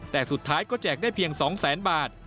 แต่สุดท้ายก็แจกได้เพียง๒แสนบาท